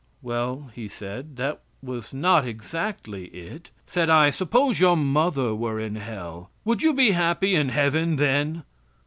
"Well," he said, "that was not exactly it." Said I: "Suppose your mother were in hell, would you be happy in heaven then?"